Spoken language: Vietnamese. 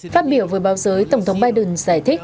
phát biểu với báo giới tổng thống biden giải thích